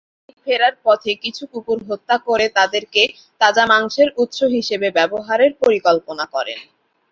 পাশাপাশি তিনি ফেরার পথে কিছু কুকুর হত্যা করে তাদেরকে তাজা মাংসের উৎস হিসেবে ব্যবহারের পরিকল্পনা করেন।